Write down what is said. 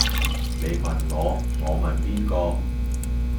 你問我我問邊個